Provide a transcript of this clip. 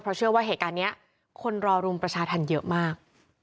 เพราะเชื่อว่าเหตุการณ์นี้คนรอรุมประชาธรรมเยอะมาก